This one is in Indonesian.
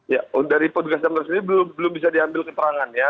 ya dari petugas damkar sendiri belum bisa diambil keterangan ya